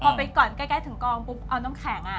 พอไปก่อนใกล้ถึงกองปุ๊บเอาน้ำแข็ง